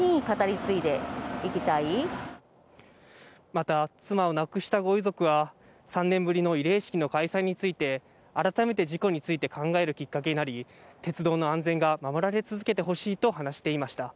また妻を亡くしたご遺族は３年ぶりの慰霊式の開催について、改めて事故について考えるきっかけになり、鉄道の安全が守られ続けてほしいと話していました。